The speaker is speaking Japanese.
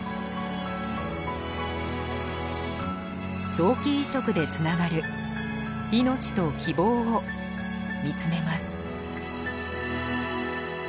臓器移植でつながる命と希望を見つめます。